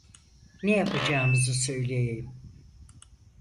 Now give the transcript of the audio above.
Ne yapacağımızı söyleyeyim.